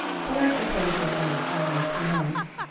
But I suppose the men of science know.